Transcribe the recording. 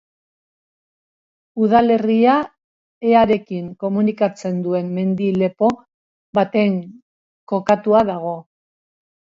Udalerria Earekin komunikatzen duen mendi-lepo baten kokatua dago.